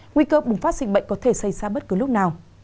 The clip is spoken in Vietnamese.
nguy cơ bùng phát dịch bệnh có thể xảy ra bất cứ lúc nào